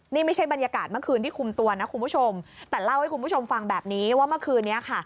นี่ไม่ใช่บรรยากาศเมื่อคืนที่คุมตัวนะคุณผู้ชมแต่เล่าให้คุณผู้ชมฟังแบบนี้ว่าเมื่อคืนนี้ค่ะ